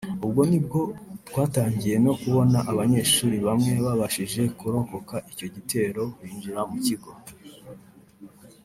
ubwo nibwo twatangiye no kubona abanyeshuli bamwe babashije kurokoka icyo gitero binjira mu kigo